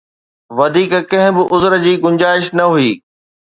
وڌيڪ ڪنهن به عذر جي گنجائش نه هئي.